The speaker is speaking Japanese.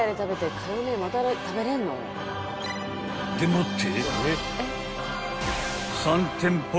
［でもって］